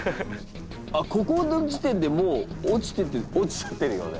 あっここの時点でもう落ちてて落ちちゃってるよね？